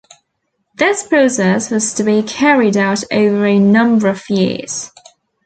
This process was to be carried out over a number of years.